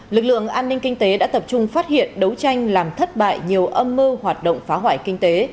lực lượng an ninh kinh tế đã tập trung phát hiện đấu tranh làm thất bại nhiều âm mưu hoạt động phá hoại kinh tế